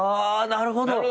なるほど。